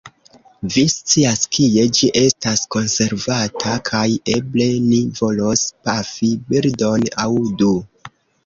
Vi scias kie ĝi estas konservata, kaj eble ni volos pafi birdon aŭ du.